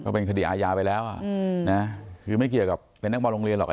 เป็นคดีอาญาไปแล้วคือไม่เกี่ยวกับเป็นนักบอลโรงเรียนหรอก